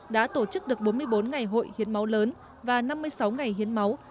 đã tổ chức được bốn mươi bốn ngày hội hiến máu lớn và năm mươi sáu ngày hiến máu